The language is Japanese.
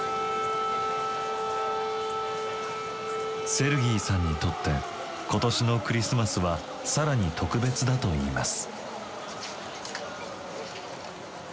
セルギーさんにとって今年のクリスマスは更に特別だといいます。